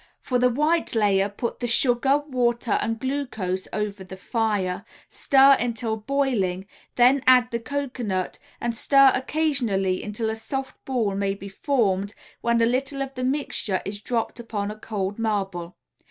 For the white layer, put the sugar, water and glucose over the fire, stir until boiling, then add the cocoanut and stir occasionally until a soft ball may be formed when a little of the mixture is dropped upon a cold marble.